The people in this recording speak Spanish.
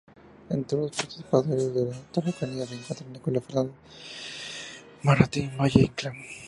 Entre los partidarios de la tauromaquia se encuentran Nicolás Fernández de Moratín y Valle-Inclán.